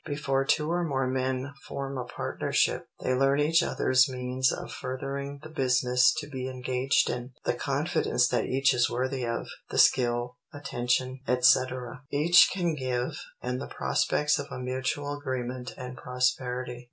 _ Before two or more men form a partnership, they learn each other's means of furthering the business to be engaged in; the confidence that each is worthy of, the skill, attention, etc., each can give, and the prospects of a mutual agreement and prosperity.